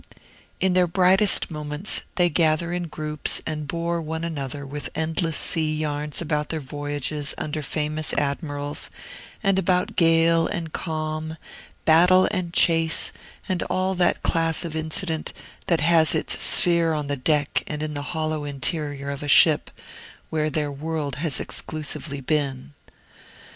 In their brightest moments, they gather in groups and bore one another with endless sea yarns about their voyages under famous admirals, and about gale and calm, battle and chase, and all that class of incident that has its sphere on the deck and in the hollow interior of a ship, where their world has exclusively been.